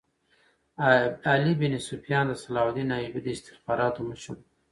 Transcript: علي بن سفیان د صلاح الدین ایوبي د استخباراتو مشر وو